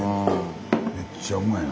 めっちゃうまいな。